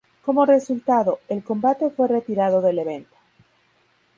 Como resultado, el combate fue retirado del evento.